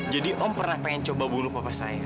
jadi om pernah pengen coba bunuh papa saya